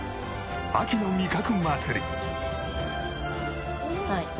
秋の味覚祭り。